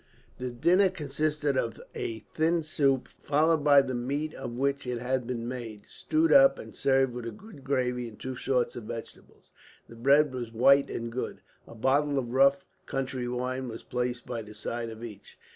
The dinner consisted of a thin soup, followed by the meat of which it had been made, stewed up and served with a good gravy and two sorts of vegetables. The bread was white and good. A bottle of rough country wine was placed by the side of each.